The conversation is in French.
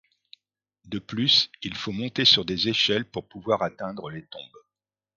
De plus, il faut monter sur des échelles pour pouvoir atteindre les tombes.